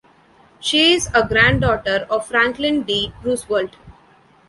She is a granddaughter of Franklin D. Roosevelt.